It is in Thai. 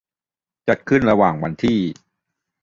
จัดขึ้นระหว่างวันที่